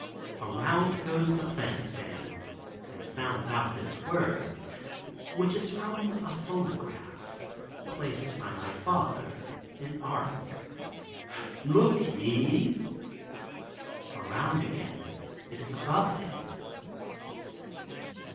Around goes the plant stand and sounds out this word, which is from a phonograph (placed by father) in Arc, "Look ye." Around again, it is above him.